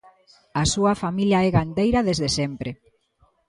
A súa familia é gandeira desde sempre.